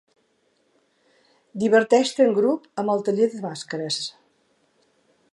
Diverteix-te en grup amb el taller de màscares.